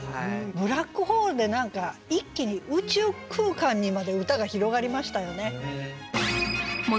「ブラックホール」で何か一気に宇宙空間にまで歌が広がりましたよね。